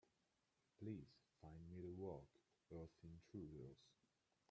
Please find me the work, Earth Intruders.